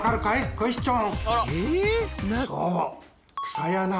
クエスチョン！